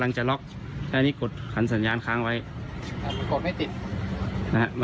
แต่กดไม่ติดนะครับ